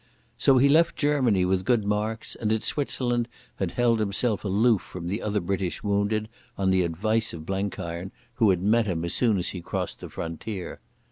So he left Germany with good marks, and in Switzerland had held himself aloof from the other British wounded, on the advice of Blenkiron, who had met him as soon as he crossed the frontier.